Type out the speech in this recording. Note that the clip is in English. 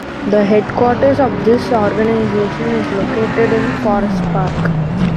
The headquarters of this organization is located in Forest Park.